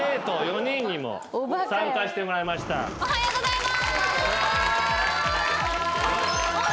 おはようございます。